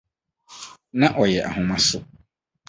na ɔyɛ ahomaso.